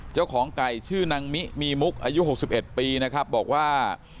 เจ้าของไก่ชื่อนางมิมีมุกอายุ๖๑ปีนะครับบอกว่า